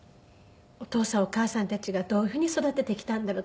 お父さんお母さんたちがどういうふうに育ててきたんだろうって。